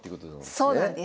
そうなんです。